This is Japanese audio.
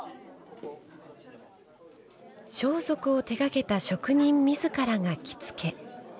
装束を手がけた職人自らが着付け。